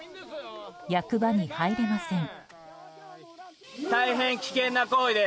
役場に入れません。